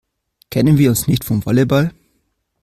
Kennen wir uns nicht vom Volleyball?